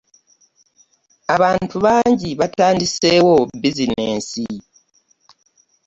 abantu bangi batandiseewo bizineesi.